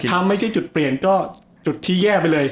ถ้าไม่ใช่จุดเปลี่ยนก็จุดที่แย่ไปเลย